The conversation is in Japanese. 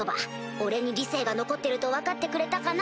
俺に理性が残ってると分かってくれたかな？